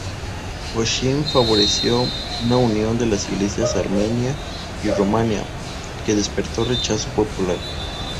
Oshin favoreció una unión de las iglesias Armenia y Romana, que despertó rechazo popular.